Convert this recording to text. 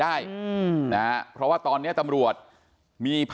อันนี้แม่งอียางเนี่ย